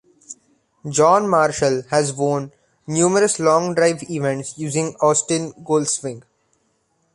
John Marshall has won numerous long drive events using the Austin golf swing.